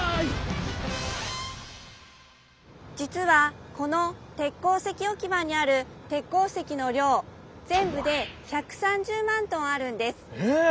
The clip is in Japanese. じつはこの鉄鉱石おき場にある鉄鉱石の量ぜんぶで１３０万トンあるんです。え！